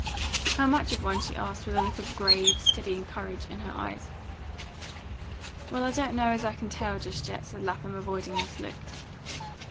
"How much of a one?" she asked with a look of grave, steady courage in her eyes. "Well, I don't know as I can tell, just yet," said Lapham, avoiding this look.